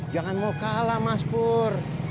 jangan mau kalah mas pur